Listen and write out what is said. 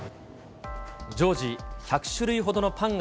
常時１００種類ほどのパンが